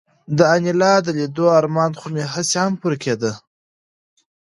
د انیلا د لیدو ارمان خو مې هسې هم پوره کېده